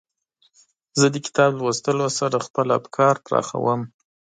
زه د کتاب لوستلو سره خپل افکار پراخوم.